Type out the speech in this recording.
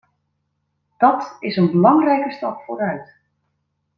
Dat is een belangrijke stap vooruit.